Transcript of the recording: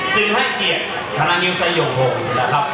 ซึ่งให้เกียรติธรรมนิวไซด์หย่อมหงด้วยนะครับ